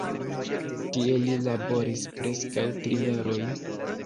Tie li laboris preskaŭ tri jarojn.